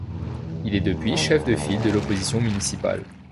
Il est depuis, chef de file de l'opposition municipale.